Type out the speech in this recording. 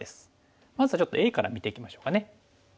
まずはちょっとＡから見ていきましょうかね。